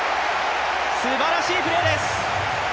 すばらしいプレーです。